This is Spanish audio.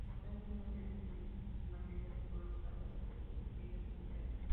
La montaña tiene leves pendientes, en su mayoría deforestadas, cubiertas de pinos de montaña.